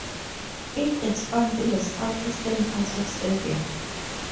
It expands in the south-eastern parts of Serbia.